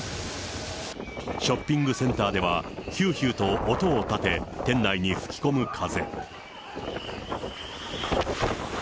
ショッピングセンターではひゅーひゅーと音を立て、店内に吹き込む風。